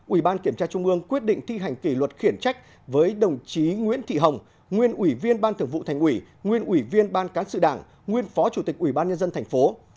ủy ban kiểm tra trung ương quyết định thi hành kỷ luật khiển trách với đồng chí nguyễn thị hồng nguyên ủy viên ban thường vụ thành ủy nguyên ủy viên ban cán sự đảng nguyên phó chủ tịch ủy ban nhân dân thành phố